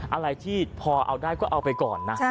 อะไรที่พอเอาได้ก็เอาไปก่อนนะ